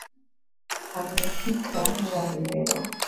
Amefika Nyali leo.